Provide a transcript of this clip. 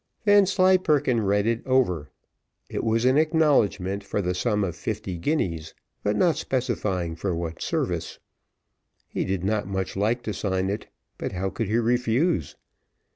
Vanslyperken read it over. It was an acknowledgment for the sum of fifty guineas, but not specifying for what service. He did not much like to sign it, but how could he refuse?